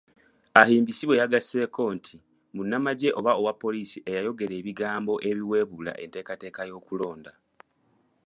Ahimbisibwe yagasseeko nti munnamagye oba omupoliisi eyayogera ebigambo ebiweebuula enteekateeka y'okulonda.